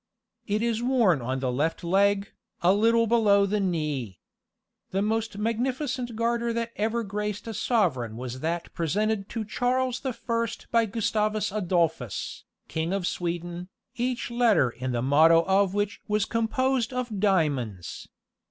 It is worn on the left leg, a little below the knee. The most magnificent garter that ever graced a sovereign was that presented to Charles the First by Gustavus Adolphus, King of Sweden, each letter in the motto of which was composed of diamonds.